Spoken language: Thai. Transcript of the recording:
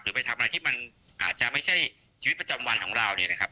ไปทำอะไรที่มันอาจจะไม่ใช่ชีวิตประจำวันของเราเนี่ยนะครับ